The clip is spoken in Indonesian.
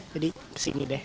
jadi kesini deh